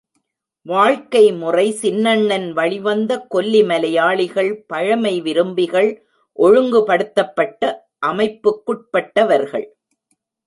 வாழ்க்கை முறை சின்னண்ணன் வழிவந்த கொல்லி மலையாளிகள் பழமை விரும்பிகள் ஒழுங்கு படுத்தப்பட்ட அமைப்புக்குட்பட்டவர்கள்.